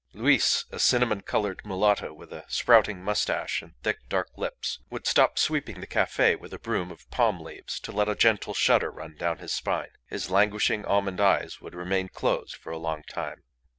Luis, a cinnamon coloured mulatto with a sprouting moustache and thick, dark lips, would stop sweeping the cafe with a broom of palm leaves to let a gentle shudder run down his spine. His languishing almond eyes would remain closed for a long time.